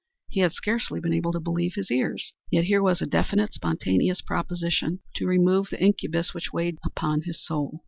He had scarcely been able to believe his ears. Yet here was a definite, spontaneous proposition to remove the incubus which weighed upon his soul.